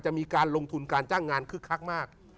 มีการลงทุนการจ้างงานคึกคักมาก